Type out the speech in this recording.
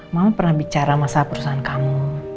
mama pernah bicara sama sahab perusahaan kamu